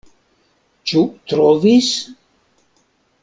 Ĉu trovis?